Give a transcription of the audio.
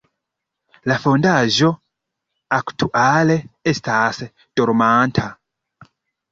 La fondaĵo aktuale estas dormanta.